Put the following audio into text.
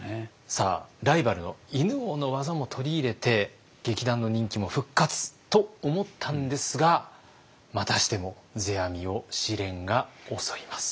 さあライバルの犬王の技も取り入れて劇団の人気も復活と思ったんですがまたしても世阿弥を試練が襲います。